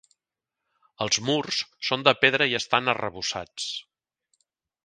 Els murs són de pedra i estan arrebossats.